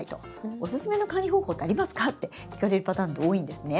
おすすめの管理方法ってありますかって聞かれるパターンって多いんですね。